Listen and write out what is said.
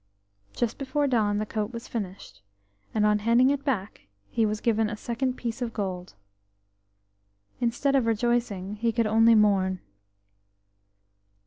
Just before dawn the coat was finished, and on handing it back he was given a second piece of gold. Instead of rejoicing he could only mourn.